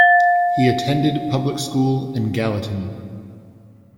He attended public school in Gallatin.